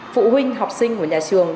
phụ huynh học sinh của nhà trường